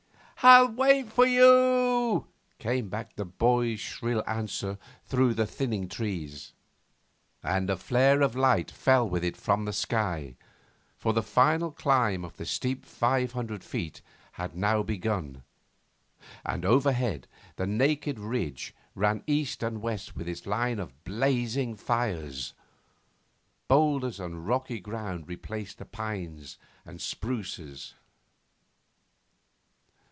'I'll wait for you,' came back the boy's shrill answer through the thinning trees. And a flare of light fell with it from the sky, for the final climb of a steep five hundred feet had now begun, and overhead the naked ridge ran east and west with its line of blazing fires. Boulders and rocky ground replaced the pines and spruces.